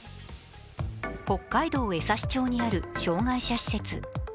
北海道江差町にある障害者施設。